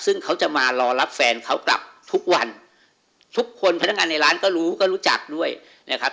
ซึ่งเขาจะมารอรับแฟนเขากลับทุกวันทุกคนพนักงานในร้านก็รู้ก็รู้จักด้วยนะครับ